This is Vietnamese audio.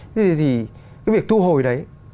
thế thì việc thu hồi đấy